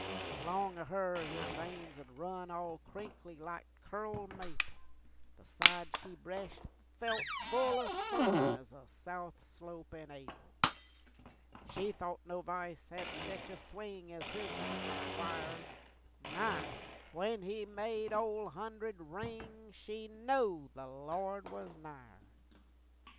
But long o' her his veins 'ould run All crinkly like curled maple, The side she breshed felt full o' sun Ez a south slope in Ap'il. She thought no v'ice hed sech a swing Ez hisn in the choir; My! when he made Ole Hunderd ring, She knowed the Lord was nigher.